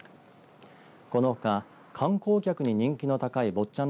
このほか、観光客に人気の高い坊っちゃん